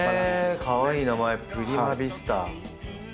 かわいい名前プリマヴィスタ。